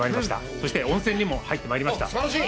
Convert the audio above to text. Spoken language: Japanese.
そして温泉にも入ってまいりました。